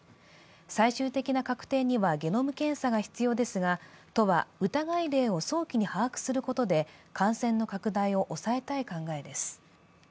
最終的な確定にはゲノム検査が必要ですが、都は疑い例を早期に把握することで、感染の拡大を抑えたい考えです。